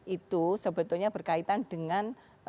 itu sebetulnya berkaitan dengan